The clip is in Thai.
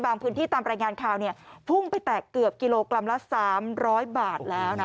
พื้นที่ตามรายงานข่าวพุ่งไปแตกเกือบกิโลกรัมละ๓๐๐บาทแล้วนะ